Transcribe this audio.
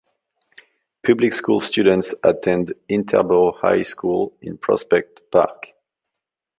Public school students attend Interboro High School in Prospect Park.